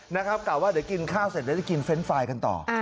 แต่ว่าตอนนี้จะกินข้าวก่อนแล้วจะกินเฟรนท์ไฟล์กันต่อ